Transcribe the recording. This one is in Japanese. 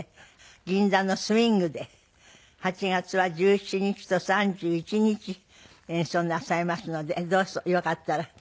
銀座のＳｗｉｎｇで８月は１７日と３１日演奏なさいますのでどうぞよかったらいらしてください。